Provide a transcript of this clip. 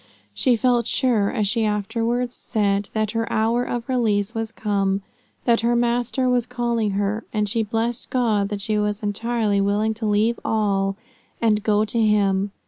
She felt sure, as she afterwards said, that her hour of release was come, that her master was calling her; and she blessed God that she was entirely willing to leave all, and go to him.